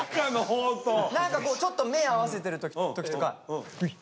何かこうちょっと目を合わせてる時とか「ウイッ」って。